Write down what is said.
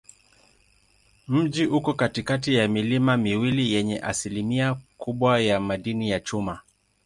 Mji uko katikati ya milima miwili yenye asilimia kubwa ya madini ya chuma.